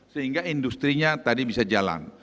sehingga industri nya tadi bisa jalan